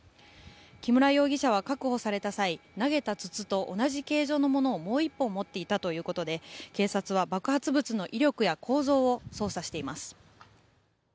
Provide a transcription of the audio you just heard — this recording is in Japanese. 木村容疑者は確保された際投げた筒と同じ形状のものをもう１本持っていたということで警察は、爆発物の威力や構造を捜査しています。